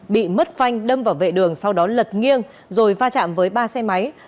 bị mất phanh đâm vào vệ đường sau đó lật nghiêng rồi va chạm với ba xe máy